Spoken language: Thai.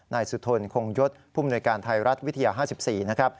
นายสุธลคงยศผู้มนุยการไทยรัฐวิทยา๕๔